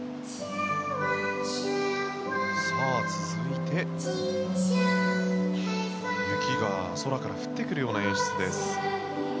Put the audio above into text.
続いて雪が空から降ってくるような演出です。